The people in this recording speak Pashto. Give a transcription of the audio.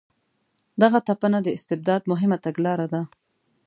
دغه تپنه د استبداد مهمه تګلاره ده.